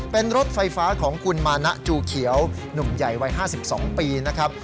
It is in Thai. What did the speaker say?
เป็นรถไฟฟ้าของคุณมานะจูเขียวหนุ่มใหญ่วัย๕๒ปีนะครับ